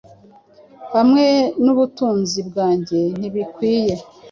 Hamwe nubutunzi bwanjye ntibikwiye